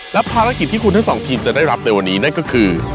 และภารกิจที่คุณทั้งสองทีมจะได้รับในวันนี้นั่นก็คือ